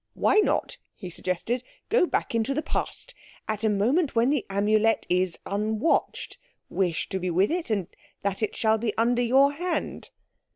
"Why not," he suggested, "go back into the Past? At a moment when the Amulet is unwatched. Wish to be with it, and that it shall be under your hand."